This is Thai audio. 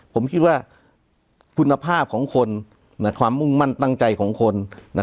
ผมคิดว่าคุณภาพของคนความมุ่งมั่นตั้งใจของคน